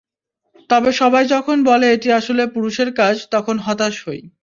তবে সবাই যখন বলে এটি আসলে পুরুষের কাজ, তখন হতাশ হই।